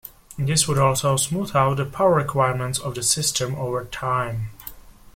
This would also smooth out the power requirements of the system over time.